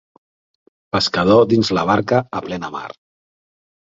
Pescador dins la barca a plena mar.